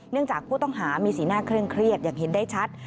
จากผู้ต้องหามีสีหน้าเคร่งเครียดอย่างเห็นได้ชัด